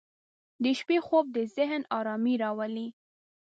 • د شپې خوب د ذهن آرامي راولي.